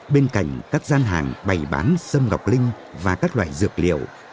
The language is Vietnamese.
bên cạnh các gian hàng bày bán sâm ngọc linh và các loại dược liệu